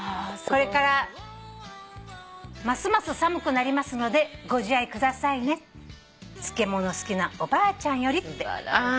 「これからますます寒くなりますのでご自愛くださいね漬け物好きなおばあちゃんより」